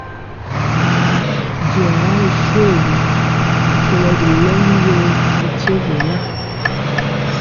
Diɔga ri shoégu, kɔlo bilɛmi yor tyebɛna.